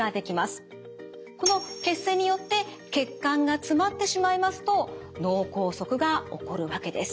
この血栓によって血管が詰まってしまいますと脳梗塞が起こるわけです。